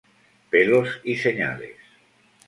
Pelos y señales".